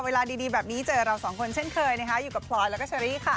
เวลาดีแบบนี้เจอเราสองคนเช่นเคยนะคะอยู่กับพลอยแล้วก็เชอรี่ค่ะ